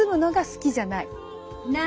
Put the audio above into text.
好きじゃない。